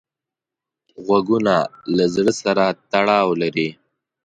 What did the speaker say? غوږونه له زړه سره تړاو لري